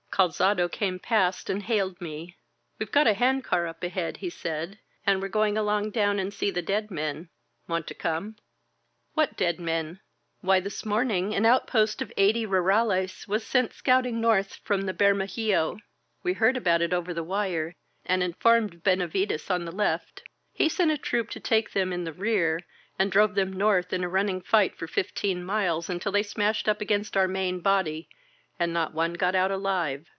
Calzado came past, and hailed me. "WeVe got a hand car up ahead," he said, ^^and we're going along down and see the dead men. Want to come?" 193 INSURGENT MEXICO What deaci men?'' "Why, this morning an outpost of eighty rurales was sent scouting north from Bermejillo. We heard about it over the wire and informed Benavides on the left. He sent a troop to take them in the rear, and drove them north in a running fight for fifteen miles until they smashed up against our main body and not one got out alive.